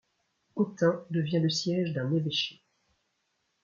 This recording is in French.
Autun devient le siège d'un évêché.